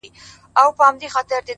ژوند مي هيڅ نه دى ژوند څه كـړم.!